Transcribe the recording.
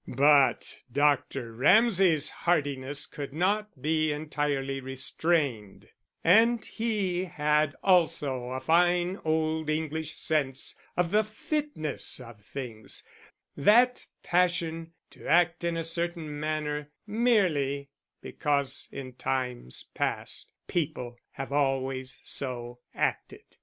But Dr. Ramsay's heartiness could not be entirely restrained; and he had also a fine old English sense of the fitness of things, that passion to act in a certain manner merely because in times past people have always so acted.